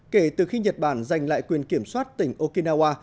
kể từ khi nhật bản giành lại quyền kiểm soát tỉnh okinawa